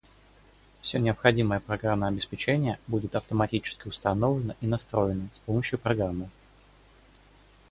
Все необходимое программное обеспечение будет автоматически установлено и настроено с помощью программы